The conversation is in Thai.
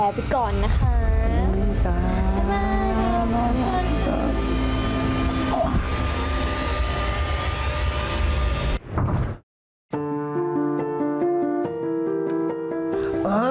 บ๊ายบายน้องฝน